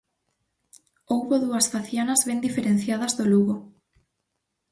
Houbo dúas facianas ben diferenciadas do Lugo.